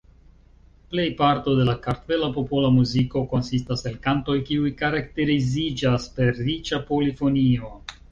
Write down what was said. Plejparto de la kartvela popola muziko konsistas el kantoj kiuj karakteriziĝas per riĉa polifonio.